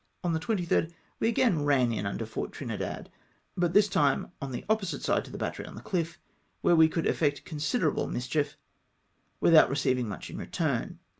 On the 23rd we again ran in under Fort Trinidad, but this time on the opposite side to the battery on the cliff, where we could effect considerable mischief, without receivmcf much in return.